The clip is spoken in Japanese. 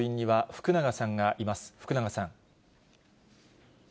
福永さん。